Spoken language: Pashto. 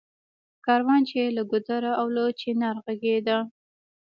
کاروان چــــې له ګـــــودره او له چنار غـــږېده